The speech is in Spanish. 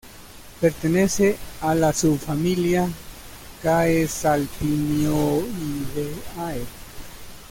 Pertenece a la subfamilia Caesalpinioideae.